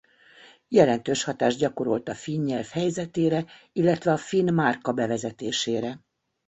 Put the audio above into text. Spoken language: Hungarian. Jelentős hatást gyakorolt a finn nyelv helyzetére illetve a finn márka bevezetésére.